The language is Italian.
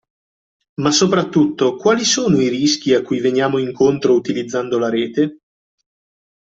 Ma soprattutto, quali sono i rischi a cui veniamo incontro utilizzando la rete?